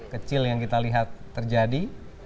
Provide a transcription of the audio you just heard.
kecil yang kita lihat terjadi